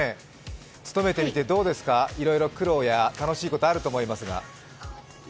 務めてみてどうですか、いろいろ苦労や楽しいことがあると思いますが？